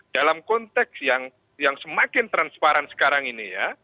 dalam konteks yang semakin transparan sekarang ini ya